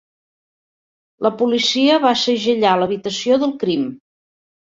La policia va segellar l'habitació del crim.